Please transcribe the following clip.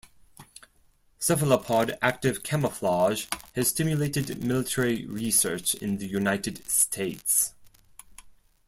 Cephalopod active camouflage has stimulated military research in the United States.